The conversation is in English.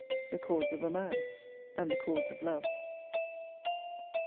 The cords of a man, and the cords of Love.